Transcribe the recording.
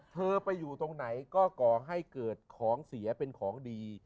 เธอไปอยู่ตรงไหนก็ก่อให้เกิดของเสียเป็นของดี